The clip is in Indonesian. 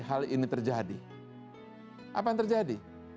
apa yang terjadi